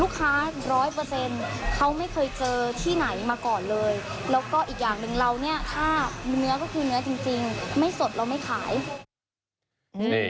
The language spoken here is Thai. แล้วก็อีกอย่างหนึ่งเราเนี่ยถ้าเนื้อก็คือเนื้อจริง